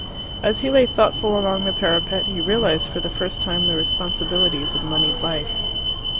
As he lay thoughtful along the parapet, he realized for the first time the responsibilities of monied life.